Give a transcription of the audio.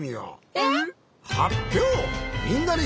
えっ！